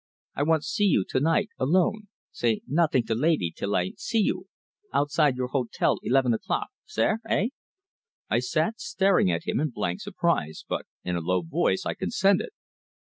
"I want see you, to night, alone. Say no ting to laidee till I see you outside your hotel eleven o'clock, sare eh?" I sat staring at him in blank surprise, but in a low voice I consented.